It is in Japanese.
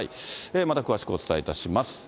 また詳しくお伝えします。